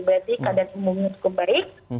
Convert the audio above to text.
berarti kadar umumnya cukup baik